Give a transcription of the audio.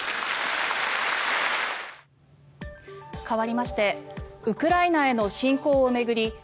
かわりましてウクライナへの侵攻を巡り